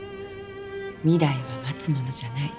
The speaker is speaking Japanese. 未来は待つものじゃない。